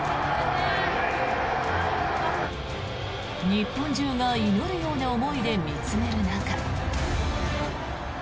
日本中が祈るような思いで見つめる中。